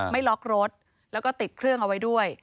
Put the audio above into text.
ไม่ล็อกรถแล้วก็ติดเครื่องเอาไว้ด้วย